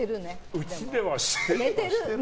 うちではしてるね。